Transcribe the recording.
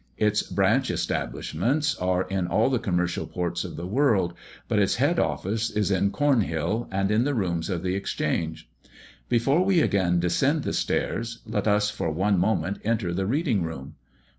Its branch establishments are in all the commercial ports of the world; but its head office is in Cornhill, and in the rooms of the Exchange. Before we again descend the stairs, let us for one moment enter the reading room.